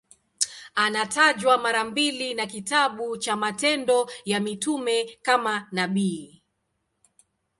Anatajwa mara mbili na kitabu cha Matendo ya Mitume kama nabii.